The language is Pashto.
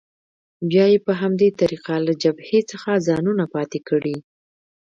بیا یې په همدې طریقه له جبهې څخه ځانونه پاتې کړي.